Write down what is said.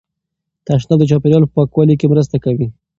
تشناب د چاپیریال په پاکوالي کې مرسته کوي.